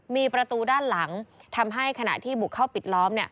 มีประตูด้านหลังทำให้ขณะที่บุกเข้าปิดล้อม